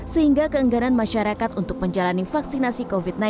sehingga keengganan masyarakat untuk menjalani vaksinasi